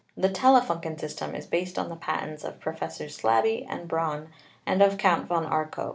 The Telefunken System is based on the patents of Professors Slaby and Braun and of Count von Arco.